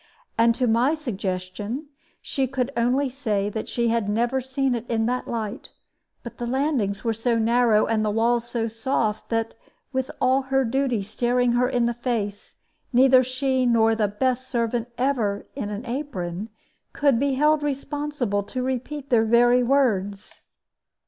And to my suggestion she could only say that she never had seen it in that light; but the landings were so narrow and the walls so soft that, with all her duty staring in her face, neither she, nor the best servant ever in an apron, could be held responsible to repeat their very words.